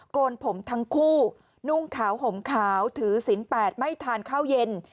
โกนผมทั้งคู่นุ่งขาวห่มขาวถือศิลป์ไม่ทานข้าวเย็น